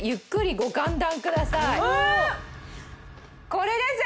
これです